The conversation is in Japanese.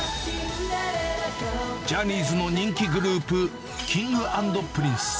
ジャニーズの人気グループ、Ｋｉｎｇ＆Ｐｒｉｎｃｅ。